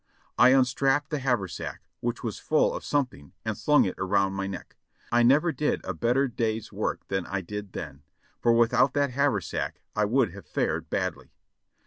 I unstrapped the haversack, which was full of something, and slung it around my neck. I never did a better day's work than I did then, for without that haversack I would have fared badly.